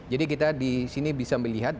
jadi kita di sini bisa melihat